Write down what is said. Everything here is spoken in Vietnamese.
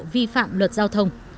vi phạm luật giao thông